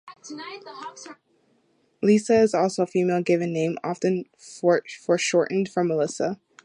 Lissa is also a female given name, often foreshortened from Melissa.